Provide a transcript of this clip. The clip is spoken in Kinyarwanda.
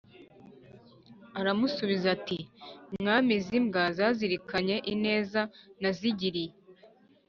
aramusubiza ati: "mwami, izi mbwa zazirikanye ineza nazigiriye